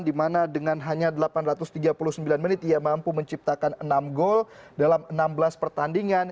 di mana dengan hanya delapan ratus tiga puluh sembilan menit ia mampu menciptakan enam gol dalam enam belas pertandingan